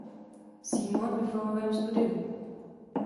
Seymour ve filmovém studiu.